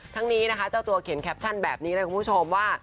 ทั้งนี้นะคะเจ้าตัวเขียนแคปชั่นแบบนี้เลยคุณผู้ชมว่า